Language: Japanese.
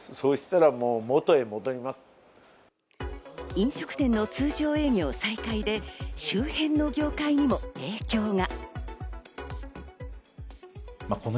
飲食店の通常営業再開で、周辺の業界にも影響が。